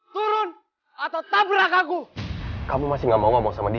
turun atau tabrak aku kamu masih gak mau ngomong sama dia